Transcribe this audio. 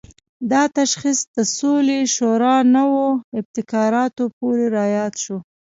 دا تشخیص د سولې شورا نوو ابتکارونو پورې راياد شو.